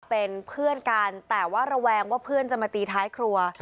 เป็นเพื่อนกันแต่ว่าระแวงว่าเพื่อนจะมาตีท้ายครัว